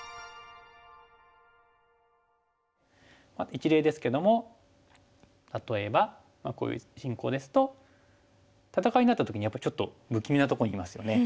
一例ですけども例えばこういう進行ですと戦いになった時にやっぱりちょっと不気味なとこにいますよね。